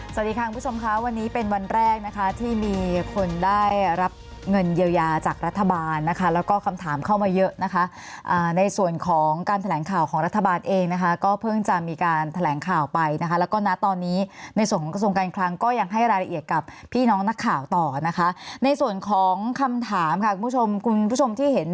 สวัสดีค่ะคุณผู้ชมค่ะวันนี้เป็นวันแรกนะคะที่มีคนได้รับเงินเยียวยาจากรัฐบาลนะคะแล้วก็คำถามเข้ามาเยอะนะคะในส่วนของการแถลงข่าวของรัฐบาลเองนะคะก็เพิ่งจะมีการแถลงข่าวไปนะคะแล้วก็นะตอนนี้ในส่วนของกระทรวงการคลังก็ยังให้รายละเอียดกับพี่น้องนักข่าวต่อนะคะในส่วนของคำถามค่ะคุณผู้ชมคุณผู้ชมที่เห็น